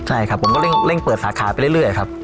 ใช่ครับผมก็เร่งเปิดสาขาไปเรื่อยครับ